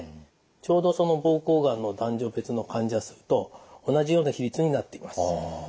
ちょうどその膀胱がんの男女別の患者数と同じような比率になっています。